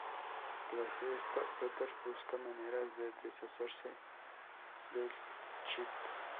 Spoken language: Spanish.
Tras esto Peter busca maneras de deshacerse de Chip.